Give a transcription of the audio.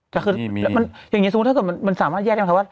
ใช่ไงมีมีมันอย่างเงี้ยสมมุติมันสามารถแยกอินแคร์ว่า